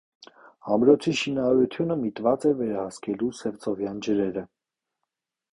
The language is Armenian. Ամրոցի շինարարությունը միտված էր վերահսկելու սևծովյան ջրերը։